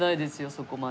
そこまで。